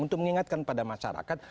untuk mengingatkan pada masyarakat